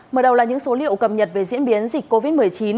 mở đầu là những số liệu cập nhật về diễn biến dịch covid một mươi chín